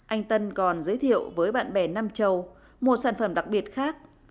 anh tân còn giới thiệu với bạn bè nam châu một sản phẩm đặc biệt khác